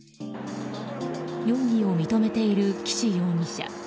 容疑を認めている岸容疑者。